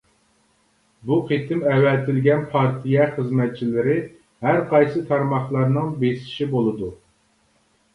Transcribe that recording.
بۇ قېتىم ئەۋەتىلگەن پارتىيە خىزمەتچىلىرى ھەرقايسى تارماقلارنىڭ بېسىشى بولىدۇ.